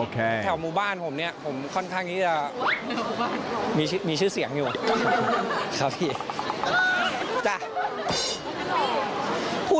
แถวมุบ้านผมผมค่อนข้างที่จะมีชื่อเสียงอยู่